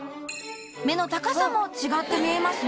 目の高さも違って見えますね